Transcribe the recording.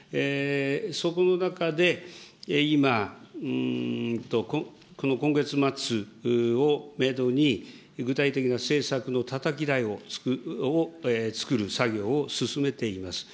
そこの中で、今、この今月末をメドに、具体的な政策のたたき台をつくる作業を進めています。